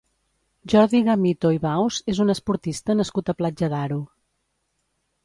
Jordi Gamito i Baus és un esportista nascut a Platja d'Aro.